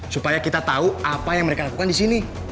supaya kita tahu apa yang mereka lakukan disini